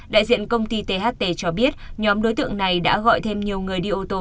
đại diện công ty tht cho biết nhóm đối tượng này đã gọi thêm nhiều người đi ô tô